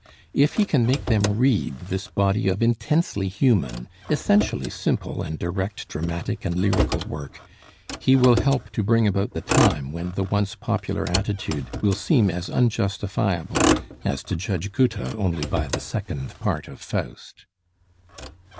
If he can make them read this body of intensely human, essentially simple and direct dramatic and lyrical work, he will help to bring about the time when the once popular attitude will seem as unjustifiable as to judge Goethe only by the second part of 'Faust.'